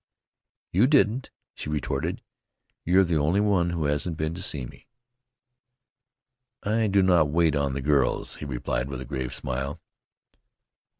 "You didn't," she retorted. "You're the only one who hasn't been to see me." "I do not wait on the girls," he replied with a grave smile.